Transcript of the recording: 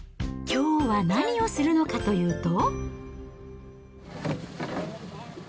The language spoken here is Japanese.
きょうは何をするのかというと。